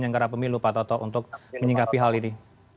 anggaran pemilu pak toto untuk menyinggapi hal ini